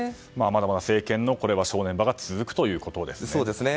まだまだ政権の正念場が続くということですね。